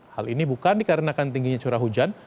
hal ini bukan dikarenakan tingginya curah hujan